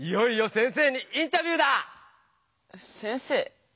先生。